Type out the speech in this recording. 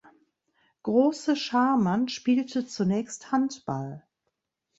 Große Scharmann spielte zunächst Handball.